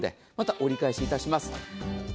折り返しいたします。